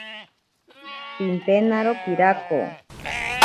Pimpenaro pirako.